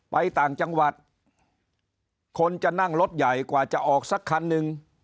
ไปต่างจังหวัดคนจะนั่งรถใหญ่กว่าจะออกสักคันหนึ่ง